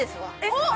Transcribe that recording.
おっ！